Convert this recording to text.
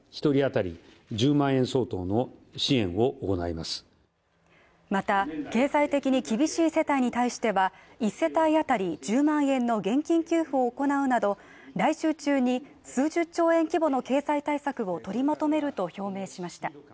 また、経済的に厳しい世帯に対しては１世帯当たり１０万円の現金給付を行うなど来週中に数十兆円規模の経済対策を取りまとめると表明しました。